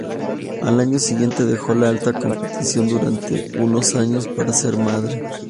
Al año siguiente, dejó la alta competición durante unos años para ser madre.